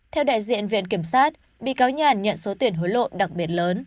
theo đại diện viện kiểm sát bị cáo nhàn nhận số tiền hối lộ đặc biệt lớn